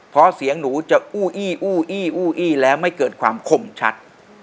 เพราะเสียงหนูจะอู้อี้อู้อี้อู้อี้แล้วไม่เกิดความข่มชัด